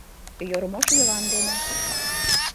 Йормош Йыван дене.